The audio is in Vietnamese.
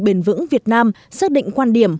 bền vững việt nam xác định quan điểm